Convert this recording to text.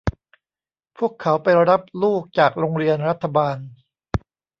พวกเขาไปรับลูกจากโรงเรียนรัฐบาล